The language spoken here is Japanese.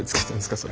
それ。